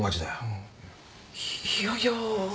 いやいや。